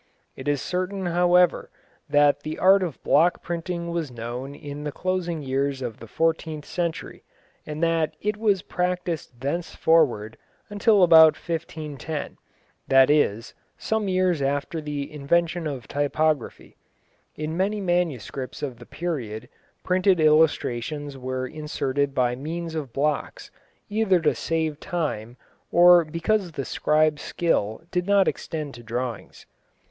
It is certain, however, that the art of block printing was known in the closing years of the fourteenth century, and that it was practised thenceforward until about 1510, that is, some years after the invention of typography. In many manuscripts of the period, printed illustrations were inserted by means of blocks, either to save time, or because the scribe's skill did not extend to drawings.